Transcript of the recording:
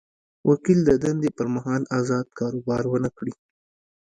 وکیل د دندې پر مهال ازاد کاروبار ونه کړي.